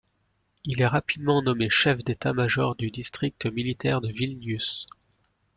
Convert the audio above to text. Il est rapidement nommé chef d'état-major du district militaire de Vilnius.